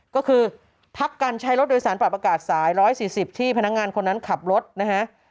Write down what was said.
ก็คือพักการใช้รถโดยสารปรับอากาศสาย๑๔๐ที่พนักงานคนนั้นขับรถนะฮะ